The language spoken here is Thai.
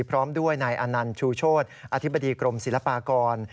พร้อมด้วยนายอนันต์ชูโชธอธิบดีกรมศิลปากร